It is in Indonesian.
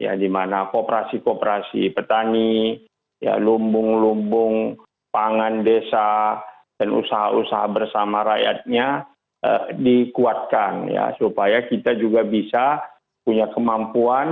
ya dimana kooperasi kooperasi petani lumbung lumbung pangan desa dan usaha usaha bersama rakyatnya dikuatkan ya supaya kita juga bisa punya kemampuan